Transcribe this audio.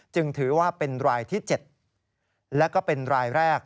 ถือว่าเป็นรายที่๗และก็เป็นรายแรก